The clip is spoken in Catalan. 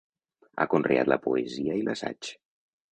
Ha conreat la poesia i l'assaig.